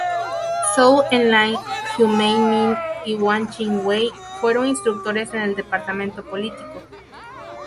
Zhou Enlai, Hu Han-min y Wang Ching-wei fueron instructores en el departamento político.